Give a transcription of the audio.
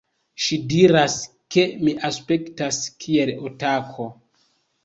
Ŝi diras, ke mi aspektas kiel otako